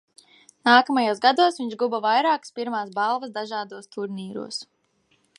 Nākamajos gados viņš guva vairākas pirmās balvas dažādos turnīros.